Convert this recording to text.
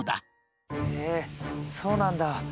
へえそうなんだ。